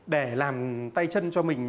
để làm tay chân cho mình